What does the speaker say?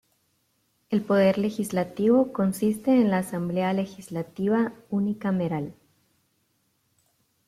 El poder legislativo consiste en la Asamblea Legislativa unicameral.